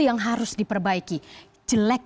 yang harus diperbaiki jelek